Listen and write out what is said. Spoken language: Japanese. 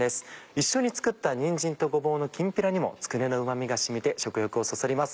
一緒に作ったにんじんとごぼうのきんぴらにもつくねのうま味が染みて食欲をそそります。